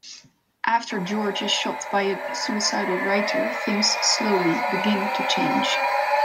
After George is shot by a suicidal writer, things slowly begin to change.